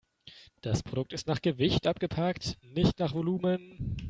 Das Produkt ist nach Gewicht abgepackt, nicht nach Volumen.